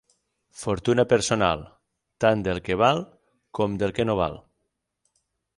Fortuna personal, tant del que val com del que no val.